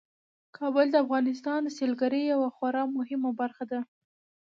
کابل د افغانستان د سیلګرۍ یوه خورا مهمه برخه ده.